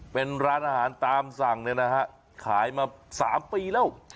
เป็นร้านอาหารตามสั่งขายมา๓ปีแล้ว